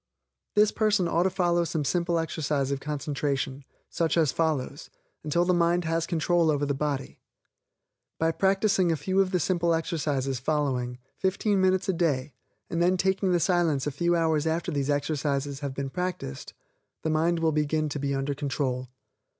This person ought to follow some simple exercise of concentration, such as given below, until the mind has control over the body. By practicing a few of the simple exercises given below, fifteen minutes a day, and then taking the Silence a few hours after these exercises have been practiced, the mind will begin to be under control.